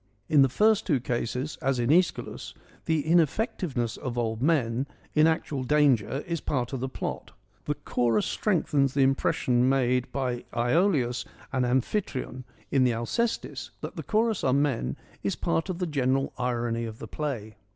In the first two cases, as in jEschylus, the ineffectiveness of old men in actual danger is part of the plot ; the chorus ioo FEMINISM IN GREEK LITERATURE strengthens the impression made by Iolaus and Amphitryon. In the Alcestis, that the chorus are men is part of the general irony of the play.